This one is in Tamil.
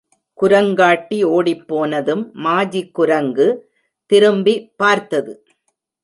குரங்காட்டி ஓடிப்போனதும் மாஜி குரங்கு திரும்பி பார்த்தது.